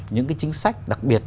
những chính sách đặc biệt